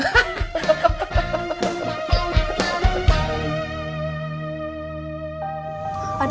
ada apa ya bu